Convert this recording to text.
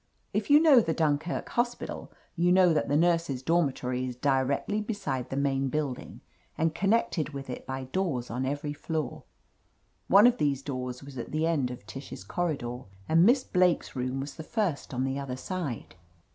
If you know the Dun kirk Hospital, you know that the nurses' dor mitory is directly beside the main building, and connected with it by doors on every floor. One of these doors was at the end of Tish's corri dor, and Miss Blake's room was the first on the 'other side.